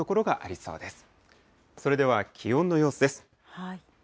それでは気温の様子です。